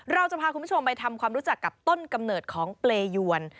เราจะพาคุณผู้ชมไปทำความรู้จักกับต้นกำเนิดของเปรยวน